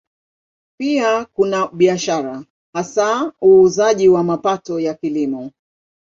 Pia kuna biashara, hasa uuzaji wa mapato ya Kilimo.